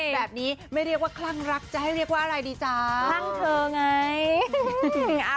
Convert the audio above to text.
แบบนี้ไม่เรียกว่าขั้งรักจะให้เรียกว่าอะไรดีจ้า